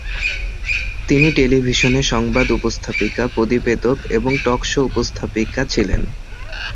তিনি টেলিভিশনে সংবাদ উপস্থাপিকা, প্রতিবেদক এবং টক শো উপস্থাপিকা ছিলেন।